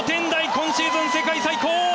今シーズン世界最高！